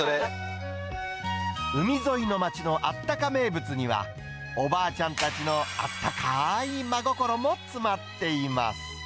海沿いの町のあったか名物には、おばあちゃんたちのあったかーいまごころも詰まっています。